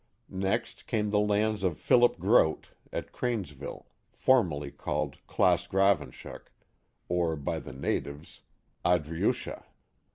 Next came the lands of Philip Groot at Cranes ville. formerly called Claas Gravenshoek, or, by the natives, Adriucha.